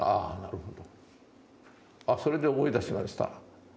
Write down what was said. ああそれで思い出しました。